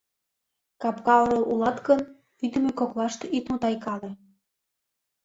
Капка орол улат гын, ӱдымӧ коклаште ит мутайкале...